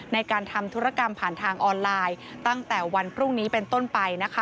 ในการทำธุรกรรมผ่านทางออนไลน์ตั้งแต่วันพรุ่งนี้เป็นต้นไปนะคะ